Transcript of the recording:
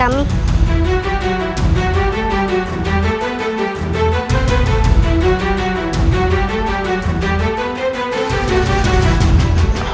baikgus sir buah bu